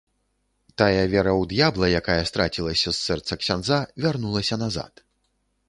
Тая вера ў д'ябла, якая страцілася з сэрца ксяндза, вярнулася назад.